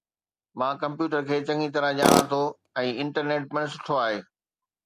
مان ڪمپيوٽر کي چڱي طرح ڄاڻان ٿو ۽ انٽرنيٽ پڻ سٺو آهي